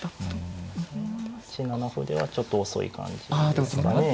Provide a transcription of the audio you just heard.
８七歩ではちょっと遅い感じですかね。